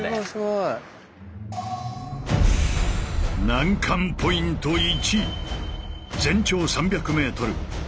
難関ポイント１。